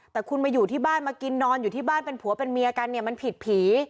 แต่คุณมาอยู่ที่บ้านมากินนอนอยู่ที่บ้านเป็นผัวเป็นเมียกันเนี่ยมันผิดผี